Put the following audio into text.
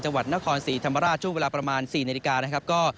จังหวัดนครศรีธรรมราชช่วงเวลาประมาณ๔นาฬิกานะครับ